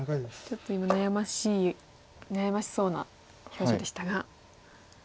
ちょっと今悩ましい悩ましそうな表情でしたが。